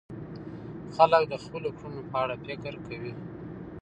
خلک د خپلو کړنو په اړه فکر کوي.